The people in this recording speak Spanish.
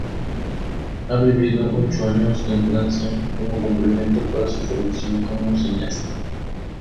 Ha vivido ocho años en Francia, como complemento para su formación como cineasta.